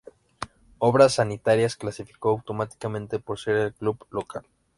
Obras Sanitarias clasificó automáticamente por ser el club local.